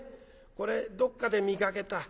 これどっかで見かけた。